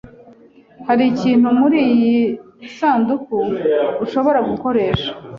Hari ikintu muriyi sanduku ushobora gukoresha?